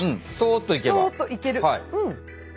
そっといける。